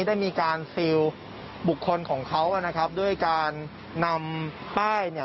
ได้มีการซีลบุคคลของเขาด้วยการนำไป้